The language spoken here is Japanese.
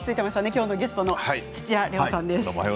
きょうのゲストの土屋礼央さんです。